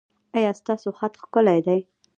ایا ستاسو خط ښکلی دی؟